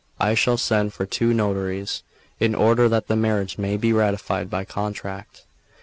I shall send for two notaries, in order that the marriage may be ratified by contract."